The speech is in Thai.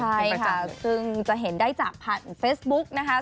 ใช่ค่ะซึ่งจะเห็นได้จากผ่านเฟซบุ๊กนะคะ